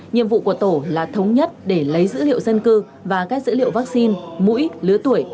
nhiệm vụ của tổ là thống nhất để lấy dữ liệu dân cư và các dữ liệu vaccine mũi lứa tuổi